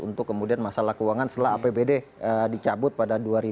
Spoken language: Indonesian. untuk kemudian masalah keuangan setelah apbd dicabut pada dua ribu dua puluh